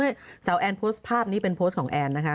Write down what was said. เมื่อสาวแอนร์โพสต์ภาพนี้เป็นโพสต์ของแอนร์รนะคะ